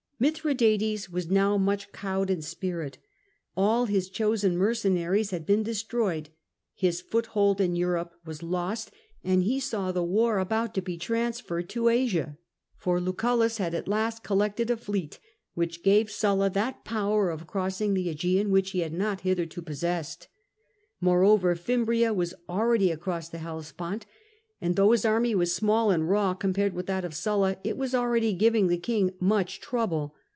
Mithradates was now much cowed in spirit. All his chosen mercenaries had been destroyed, his foothold in Europe was lost, and he saw the war about to be trans ferred to Asia. For Lucullus had at last collected a fleet, which gave Sulla that power of crossing the ^gean which he had not hitherto possessed. Moreover, Fim bria was already across the Hellespont, and though his army was small and raw compared with that of Sulla, it was already giving the king much trouble.